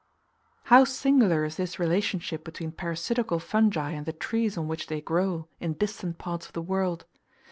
How singular is this relationship between parasitical fungi and the trees on which they grow, in distant parts of the world!